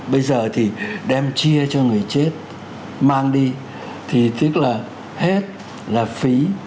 bây giờ thì đem chia cho người chết mang đi thì tức là hết là phí